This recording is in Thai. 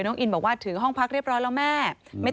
น้องอินบอกว่าถือห้องพักเรียบร้อยแล้วแม่